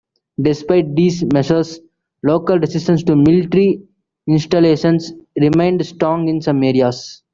Despite these measures, local resistance to military installations remained strong in some areas.